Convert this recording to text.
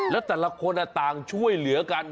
แล้วแต่ละคนต่างช่วยเหลือกัน